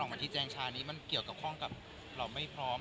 มาที่แจ้งชานี้มันเกี่ยวข้องกับเราไม่พร้อม